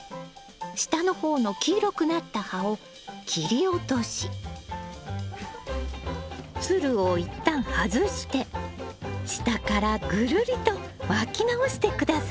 下の方の黄色くなった葉を切り落としつるを一旦外して下からぐるりと巻き直して下さい。